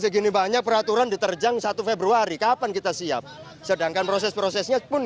segini banyak peraturan diterjang satu februari kapan kita siap sedangkan proses prosesnya pun